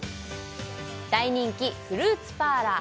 大人気フルーツパーラー